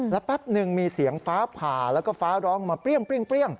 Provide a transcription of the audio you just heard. แล้วแป๊บหนึ่งมีเสียงฟ้าผ่าแล้วก็ฟ้าร้องมาเปรี้ยง